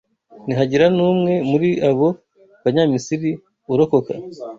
ntihagira n’umwe muri abo Banyamisiri urokoka